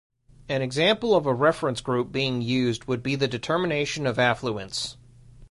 An example of a reference group being used would be the determination of affluence.